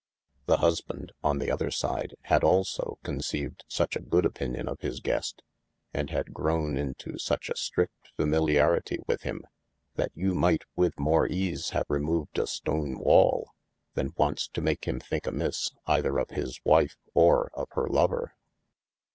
The husband (on the other side) had also con ceived suche a good opinion of his gest, & had growen into 441 THE ADVENTURES such a stride familliaritie with him, yl you might with more ease have removed a stone wal, than once to make him think amis, eyther of his wyfe, or of hir lover.